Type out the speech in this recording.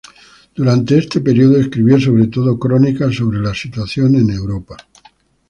Durante este periodo escribió sobre todo crónicas sobre la situación en Europa.